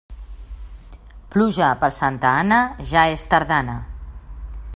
Pluja per Santa Anna, ja és tardana.